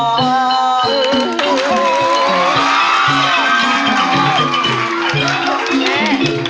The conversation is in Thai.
แม่